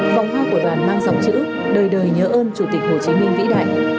vòng hoa của đoàn mang dòng chữ đời đời nhớ ơn chủ tịch hồ chí minh vĩ đại